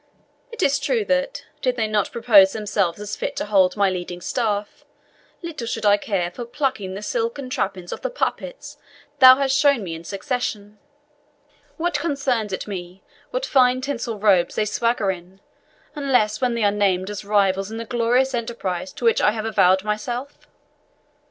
It is true that, did they not propose themselves as fit to hold my leading staff, little should I care for plucking the silken trappings off the puppets thou hast shown me in succession. What concerns it me what fine tinsel robes they swagger in, unless when they are named as rivals in the glorious enterprise to which I have vowed myself?